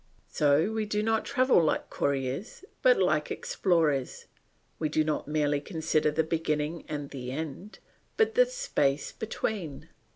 So we do not travel like couriers but like explorers. We do not merely consider the beginning and the end, but the space between.